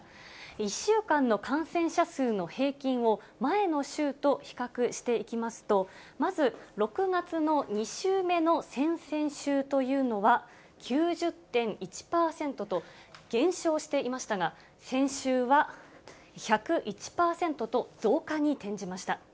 １週間の感染者数の平均を前の週と比較していきますと、まず６月の２週目の先々週というのは、９０．１％と、減少していましたが、先週は１０１％と、増加に転じました。